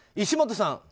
石本さん。